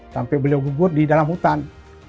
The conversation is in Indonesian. sampai beliau gugur di dalam hutan